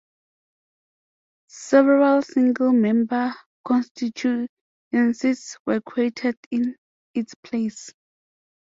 Several single-member constituencies were created in its place.